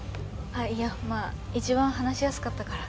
あっいやまあいちばん話しやすかったから。